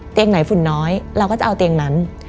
ไหนฝุ่นน้อยเราก็จะเอาเตียงนั้น